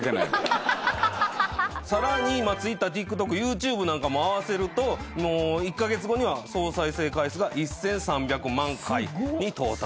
さらにＴｗｉｔｔｅｒＴｉｋＴｏｋＹｏｕＴｕｂｅなんかも合わせると１カ月後には総再生回数が１，３００万回に到達したと。